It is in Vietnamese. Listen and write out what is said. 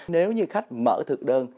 nếu như khách mở thực đơn